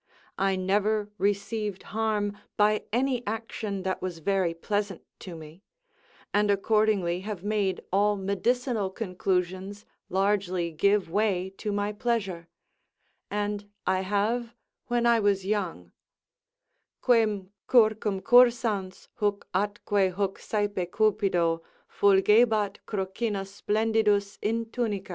I never received harm by any action that was very pleasant to me; and accordingly have made all medicinal conclusions largely give way to my pleasure; and I have, when I was young, "Quem circumcursans huc atque huc saepe Cupido Fulgebat crocink splendidus in tunic."